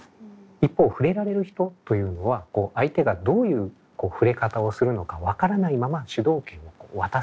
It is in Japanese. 一方ふれられる人というのは相手がどういうふれ方をするのか分からないまま主導権を渡す。